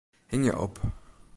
Hingje op.